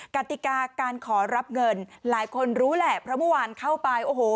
กติกาการขอรับเงินหลายคนรู้แหละเพราะเมื่อวานเข้าไปโอ้โห